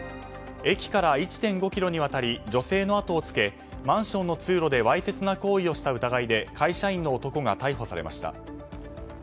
駅から１．５ｋｍにわたり女性のあとをつけマンションの通路でわいせつな行為をした疑いで会社員の男が逮捕されました。